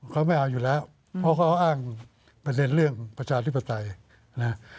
เขาไม่เอาอยู่แล้วเพราะเขาอ้างประเด็นเรื่องประชาธิปไตยนะ